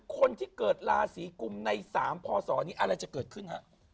คนที่เกิดราศีกุมใน๓พศนี้อะไรจะเกิดขึ้นฮะ